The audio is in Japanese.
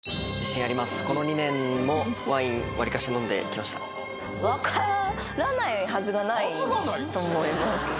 この２年もワインわりかし飲んできましたはずがないですよと思います